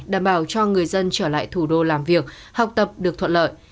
đảm bảo cho người dân trở lại thủ đô làm việc học tập được thuận lợi